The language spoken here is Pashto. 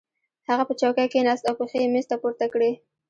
هغه په چوکۍ کېناست او پښې یې مېز ته پورته کړې